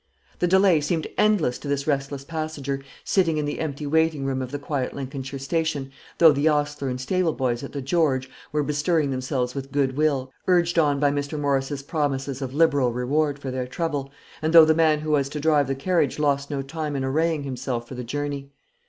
The delay seemed endless to this restless passenger, sitting in the empty waiting room of the quiet Lincolnshire station, though the ostler and stable boys at the "George" were bestirring themselves with good will, urged on by Mr. Morrison's promises of liberal reward for their trouble, and though the man who was to drive the carriage lost no time in arraying himself for the journey.